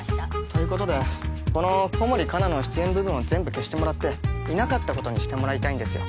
ということでこの小森かなの出演部分を全部消してもらっていなかったことにしてもらいたいんですよ。